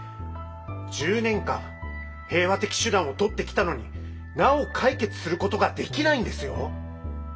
１０年間平和的手段をとってきたのになお解決することができないんですよ！